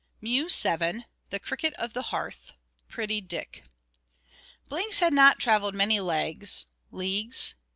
MEW VII. The Cricket of the Hearth. Pretty Dick. Blinks had not travelled many legs (leagues?)